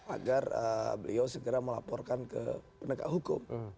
agar beliau segera melaporkan ke penegak hukum